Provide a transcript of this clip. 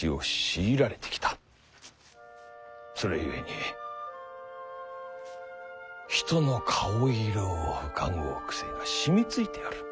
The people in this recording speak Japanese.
それゆえに人の顔色をうかごう癖がしみついておる。